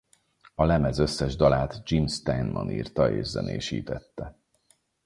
A lemez összes dalát Jim Steinman írta és zenésítette.